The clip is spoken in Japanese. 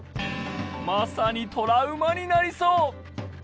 まさにトラウマになりそう！